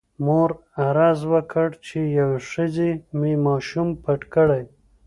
مور عرض وکړ چې یوې ښځې مې ماشوم پټ کړی.